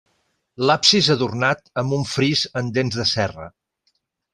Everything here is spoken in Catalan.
L'absis adornat amb un fris en dents de serra.